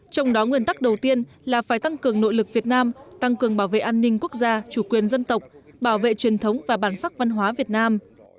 trong đó nguyên tắc đầu tiên là phải tăng cường nội lực việt nam tăng cường bảo vệ an ninh quốc gia chủ quyền dân tộc bảo vệ truyền thống và bản sắc văn hóa việt nam